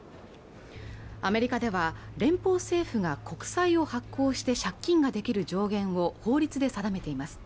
アメリカでは連邦政府が国債を発行して借金ができる上限を法律で定めています